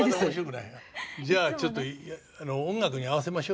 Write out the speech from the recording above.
じゃあちょっと音楽に合わせましょうよ。